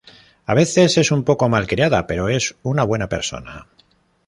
A veces, es un poco malcriada, pero es una buena persona.